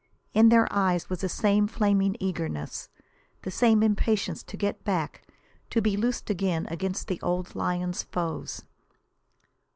In their eyes was the same flaming eagerness, the same impatience to get back, to be loosed against the old lion's foes.